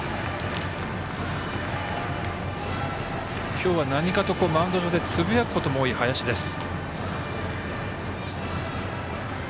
今日は何かとマウンド上でつぶやくことも多い、林です。